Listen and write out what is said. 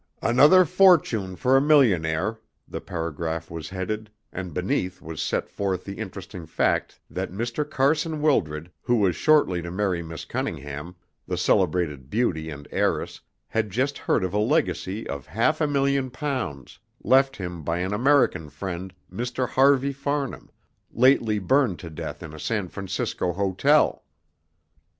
"Another Fortune for a Millionaire," the paragraph was headed, and beneath was set forth the interesting fact that Mr. Carson Wildred, who was shortly to marry Miss Cunningham, the celebrated beauty and heiress, had just heard of a legacy of half a million pounds, left him by an American friend, Mr. Harvey Farnham, lately burned to death in a San Francisco hotel.